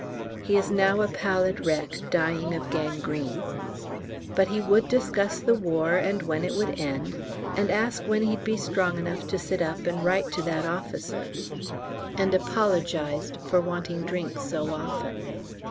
He is now a pallid wreck, dying of gangrene. But he would discuss the War, and when it would end, and ask when he'd be strong enough to sit up and write to that officer, and apologised for wanting drinks so often.